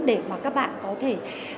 để mà các bạn có thể